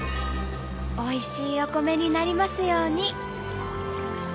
おいしいお米になりますように！